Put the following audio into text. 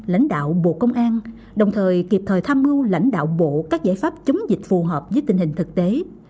lãnh đạo bộ công an đồng thời kịp thời tham mưu lãnh đạo bộ các giải pháp chống dịch phù hợp với tình hình thực tế